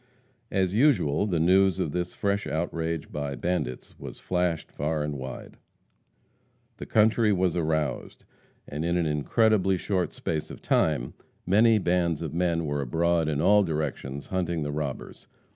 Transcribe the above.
As usual, the news of this fresh outrage by bandits was flashed far and wide. The country was aroused, and in an incredibly short space of time many bands of men were abroad in all directions, hunting the robbers.